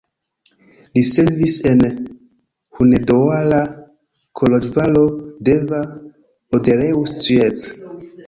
Li servis en Hunedoara, Koloĵvaro, Deva, Odorheiu Secuiesc.